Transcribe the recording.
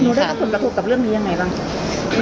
หนูได้ควรประทบกับเรื่องนี้ยังไงบ้าง